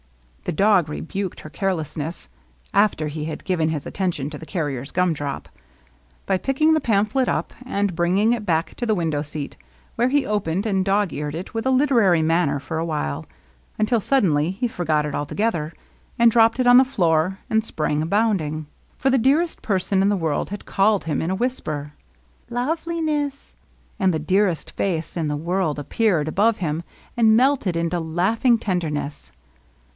The dog rebuked her carelessness (after he had given his attention to the carrier's gumdrop) by picking the pamphlet up and bringing it back to the window seat, where he opened and dog eared it with a literary manner for a while, until sud denly he forgot it altogether, and dropped it on the floor, and sprang, bounding. For the dearest person in the world had called him in a whisper, —" Love li ness !" And the dearest face in the world appeared above him and melted into laughing tenderness.